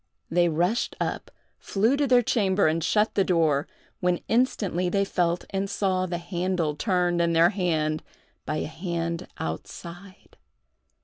They rushed up, flew to their chamber, and shut the door, when instantly they felt and saw the handle turned in their hand by a hand outside.